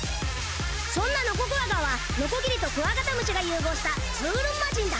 そんなノコクワガはノコギリとクワガタムシが融合した「ツールマジン」だ